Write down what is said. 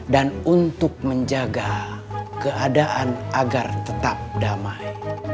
untuk menjaga keadaan agar tetap damai